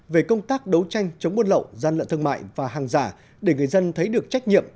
về công tác đấu tranh chống buôn lậu gian lận thương mại và hàng giả để người dân thấy được trách nhiệm